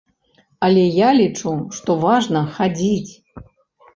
Але я лічу, што важна хадзіць.